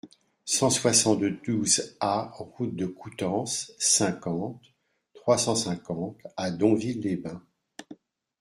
cent soixante-douze A route de Coutances, cinquante, trois cent cinquante à Donville-les-Bains